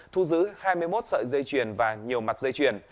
thu giữ hai mươi một sợi dây chuyền và nhiều mặt dây chuyển